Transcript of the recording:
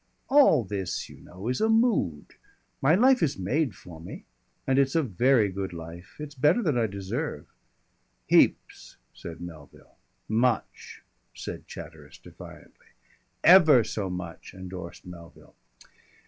"All this, you know, is a mood. My life is made for me and it's a very good life. It's better than I deserve." "Heaps," said Melville. "Much," said Chatteris defiantly. "Ever so much," endorsed Melville.